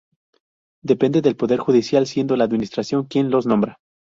Dependen del poder judicial, siendo la administración quien los nombra.